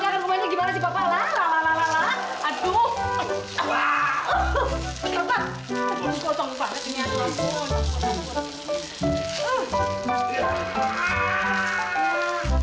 makanya kalau masak jangan ketinggalan tinggal